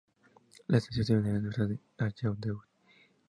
La estación sirve a la Universidad Gallaudet.